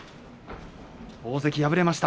大関は敗れました。